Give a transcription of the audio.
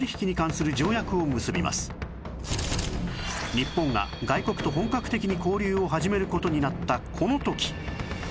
日本が外国と本格的に交流を始める事になったこの時